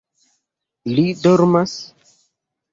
- Li dormas?